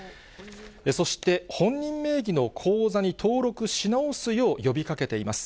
そして、本人名義の口座に登録し直すよう呼びかけています。